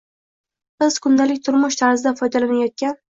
Biz kundalik turmush tarzida foydalanayotgan